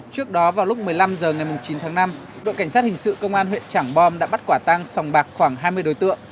trước đó vào lúc một mươi năm h ngày chín tháng năm đội cảnh sát hình sự công an huyện trảng bom đã bắt quả tăng sòng bạc khoảng hai mươi đối tượng